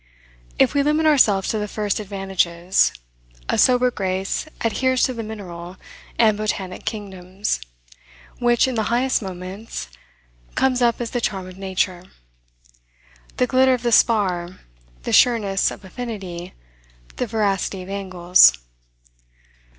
If we limit ourselves to the first advantages; a sober grace adheres to the mineral and botanic kingdoms, which, in the highest moments, comes up as the charm of nature, the glitter of the spar, the sureness of affinity, the veracity of angles.